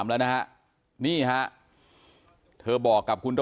แม่ขี้หมาเนี่ยเธอดีเนี่ยเธอดีเนี่ยเธอดีเนี่ย